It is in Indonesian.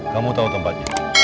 kamu tahu tempatnya